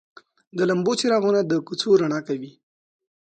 د لمبو څراغونه د کوڅو رڼا کوي.